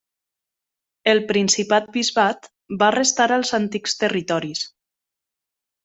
El principat-bisbat va restar als antics territoris.